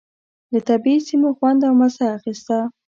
له طبعي سیمو خوند او مزه اخيسته.